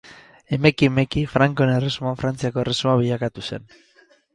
Emeki emeki frankoen erresuma Frantziako Erresuma bilakatu zen.